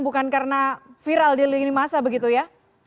bukan karena viral di lini masa begitu ya